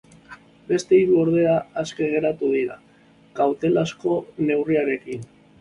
Beste hiru, ordea, aske geratu dira, kautelazko neurriekin.